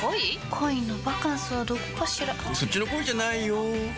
恋のバカンスはどこかしらそっちの恋じゃないよ